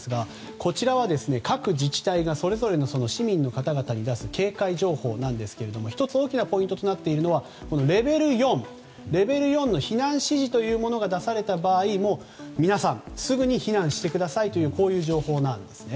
こちらは各自治体がそれぞれの市民の方に出す警戒情報ですが１つ、大きなポイントになっているのがレベル４の避難指示が出された場合、皆さんすぐに避難してくださいという情報なんですね。